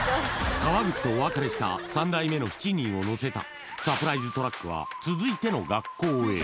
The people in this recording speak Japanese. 川口とお別れした三代目の７人を乗せたサプライズトラックは、続いての学校へ。